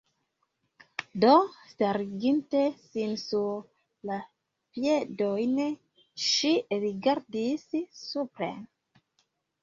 Do, stariginte sin sur la piedojn ŝi rigardis supren.